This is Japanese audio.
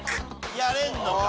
やれんのか？